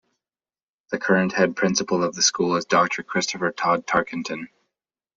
The current head principal of the school is Doctor Christopher Todd Tarkenton.